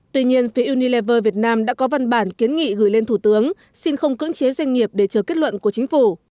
tuy nhiên phía unilever việt nam đã có văn bản kiến nghị gửi lên thủ tướng xin không cưỡng chế doanh nghiệp để chờ kết luận của chính phủ